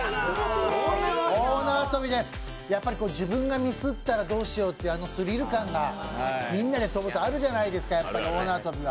やっぱり自分がミスったらどうしようっていうスリル感がみんなで跳ぶとあるじゃないですか、大縄跳びは。